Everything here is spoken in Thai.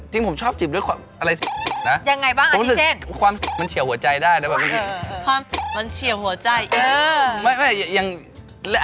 ยังไงบ้างอาจิเซนผมคิดว่าความบันเฉียบหัวใจได้ความบันเฉียบหัวใจ